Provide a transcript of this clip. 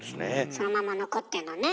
そのまま残ってんのね。